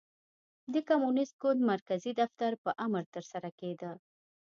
د کمونېست ګوند مرکزي دفتر په امر ترسره کېده.